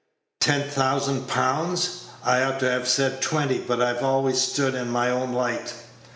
"Ten thousand pounds!" "I ought to have said twenty, but I've always stood in my own light."